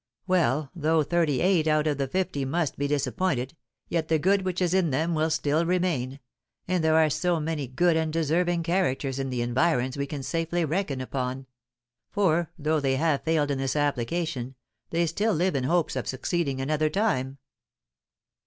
Well, though thirty eight out of the fifty must be disappointed, yet the good which is in them will still remain; and there are so many good and deserving characters in the environs we can safely reckon upon; for, though they have failed in this application, they still live in hopes of succeeding another time.